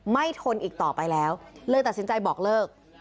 ทนอีกต่อไปแล้วเลยตัดสินใจบอกเลิก